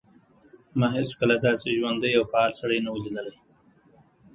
ما هیڅکله داسې ژوندی او فعال سړی نه و لیدلی